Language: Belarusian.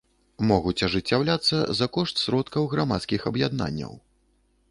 Могуць ажыццяўляцца за кошт сродкаў грамадскіх аб’яднанняў.